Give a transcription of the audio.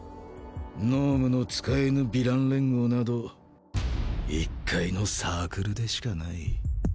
脳無の使えぬヴィラン連合など一介のサークルでしかない。